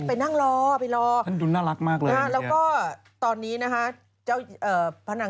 ไปนั่งรอไปรอท่านรุ้นน่ารักมากเลยแล้วก็ตอนนี้นะฮะ